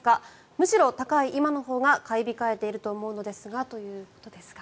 むしろ高い今のほうが買い控えていると思うのですがということですが。